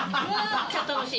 めっちゃ楽しい！